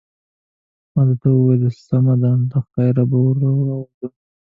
ما ده ته وویل: سمه ده، له خیره به راووځم.